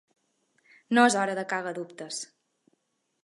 No és hora de cagadubtes.